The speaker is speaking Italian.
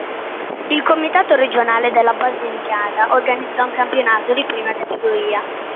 Il Comitato Regionale della Basilicata organizzò un campionato di Prima Categoria.